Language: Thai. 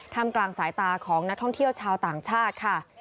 ทำกลางสายตาของนักท่องเที่ยวชาวต่างชาติค่ะ